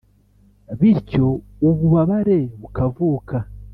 bityo ububabare bukavuka